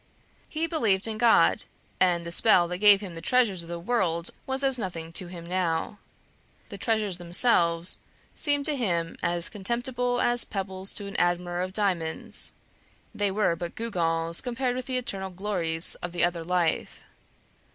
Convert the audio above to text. He believed in God, and the spell that gave him the treasures of the world was as nothing to him now; the treasures themselves seemed to him as contemptible as pebbles to an admirer of diamonds; they were but gewgaws compared with the eternal glories of the other life.